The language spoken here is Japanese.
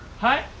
はい？